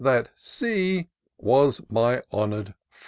That C was my honour'd friend."